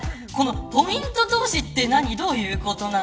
ポイント投資って何どういうことなの。